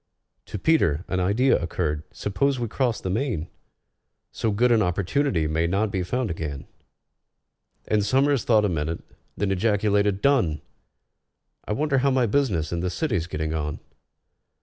To PETER an idea occurred. "Suppose we cross the main? So good an opportunity may not be found again." And SOMERS thought a minute, then ejaculated, "Done! I wonder how my business in the City's getting on?"